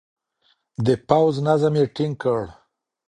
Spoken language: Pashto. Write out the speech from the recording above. د پوځ نظم يې ټينګ کړ.